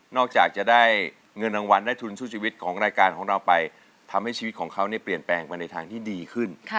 จากจะได้เงินรางวัลได้ทุนสู้ชีวิตของรายการของเราไปทำให้ชีวิตของเขาเปลี่ยนแปลงไปในทางที่ดีขึ้น